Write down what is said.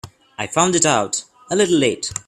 I found it out a little late.